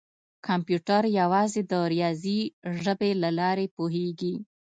کمپیوټر یوازې د ریاضي ژبې له لارې پوهېږي.